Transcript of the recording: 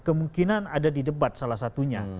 kemungkinan ada di debat salah satunya